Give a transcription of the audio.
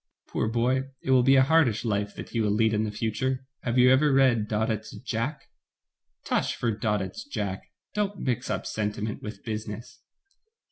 Poor boy, it will be a hardish life that he will lead in the future. Have you ever read Daudet's 'Jack'?" "Tush for Daudet's 'Jack!' Don't mix up senti ment with business."